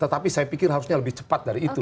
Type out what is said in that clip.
tetapi saya pikir harusnya lebih cepat dari itu